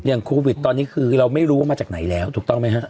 โควิดตอนนี้คือเราไม่รู้ว่ามาจากไหนแล้วถูกต้องไหมฮะ